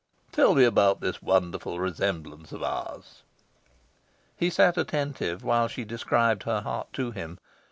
Tell me about this wonderful resemblance of ours." He sat attentive while she described her heart to him.